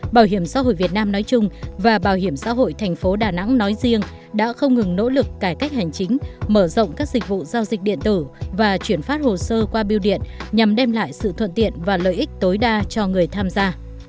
bảo hiểm xã hội việt nam nói chung và bảo hiểm xã hội thành phố đà nẵng nói riêng đã không ngừng nỗ lực cải cách hành chính mở rộng các dịch vụ giao dịch điện tử và chuyển phát hồ sơ qua biêu điện nhằm đem lại sự thuận tiện và lợi ích tối đa cho người tham gia